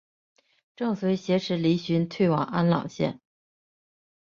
郑绥挟持黎槱退往安朗县。